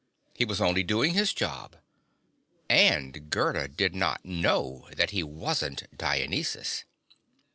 He was only doing his job. And Gerda did not know that he wasn't Dionysus.